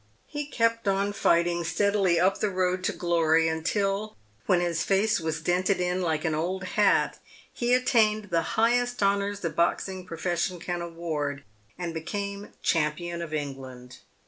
He kept on fighting steadily up the road to glory until, when his face was dented in like an old hat, he attained the highest honours the boxing profession can award, and became champion of England.